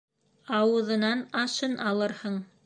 Ауыҙынан ашын алырһың.